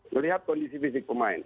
melihat kondisi fisik pemain